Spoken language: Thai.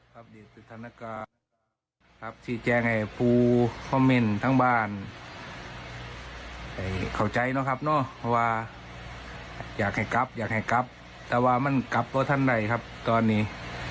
นี่คือสถานการณ์ครับที่แจ้งให้ผู้คอมเมนต์ทั้งบ้านเข้าใจนะครับเนาะเพราะว่าอยากให้กลับอยากให้กลับแต่ว่ามันกลับตัวท่านได้ครับตอนนี้